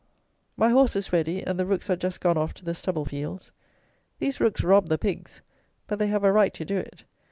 My horse is ready; and the rooks are just gone off to the stubble fields. These rooks rob the pigs; but they have a right to do it.